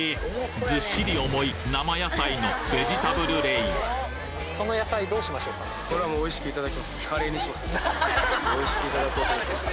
ずっしり重い生野菜のおいしくいただこうと思ってます。